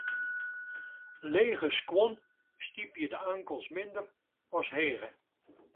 Lege skuon stypje de ankels minder as hege.